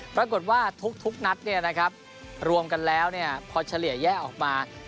ปรากฏว่าทุกทุกนัดเนี่ยนะครับรวมกันแล้วเนี่ยพอเฉลี่ยแยะออกมา